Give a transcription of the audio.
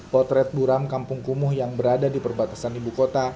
potret buram kampung kumuh yang berada di perbatasan ibu kota